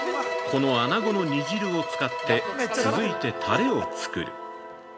◆このあなごの煮汁を使って、続いてタレを作る。